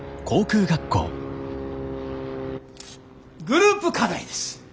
グループ課題です。